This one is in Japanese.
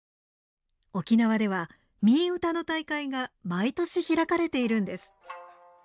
沖縄では新唄の大会が毎年開かれているんです。